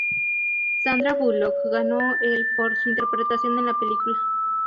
Sandra Bullock ganó el por su interpretación en la película.